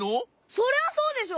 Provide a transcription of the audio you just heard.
そりゃそうでしょ？